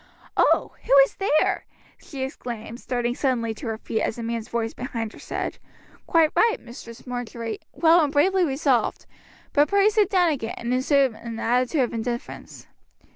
Oh! who is there?" she exclaimed, starting suddenly to her feet as a man's voice behind her said: "Quite right, Mistress Marjory, well and bravely resolved; but pray sit down again, and assume an attitude of indifference."